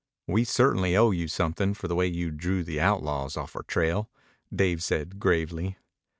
"We certainly owe you something for the way you drew the outlaws off our trail," Dave said gravely.